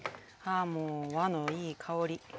もう和のいい香り。